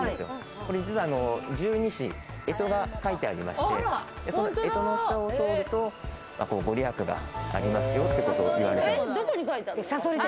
これは十二支、干支が描いてありまして、その干支の下を通ると、ご利益がありますよということがいわれています。